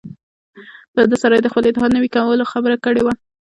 له ده سره یې د خپل اتحاد نوي کولو خبره کړې وه.